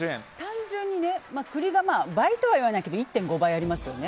単純に栗が倍とは言わないけど１．５倍ありますよね。